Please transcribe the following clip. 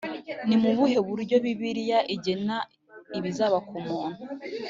ni mu buhe buryo bibiliya igena ibizaba ku muntu?